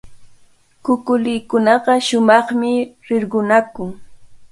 Kukulikunaqa shumaqmi rirqunakun.